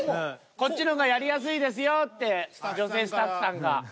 「こっちの方がやりやすいですよ」って女性スタッフさんが。